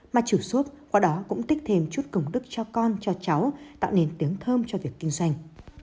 mà chủ suốt qua đó cũng tích thêm chút cổng đức cho con cho cháu tạo nền tiếng thơm cho việc kinh doanh